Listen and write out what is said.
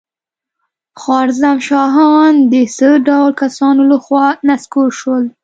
خوارزم شاهان د څه ډول کسانو له خوا نسکور شول؟